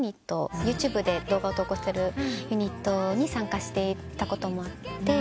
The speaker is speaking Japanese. ＹｏｕＴｕｂｅで動画を投稿するユニットに参加していたこともあって。